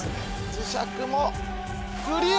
磁石もクリア！